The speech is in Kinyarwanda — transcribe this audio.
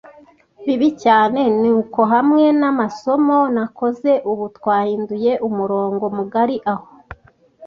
bibi cyane ni uko hamwe namasomo nakoze ubu twahinduye umurongo mugari aho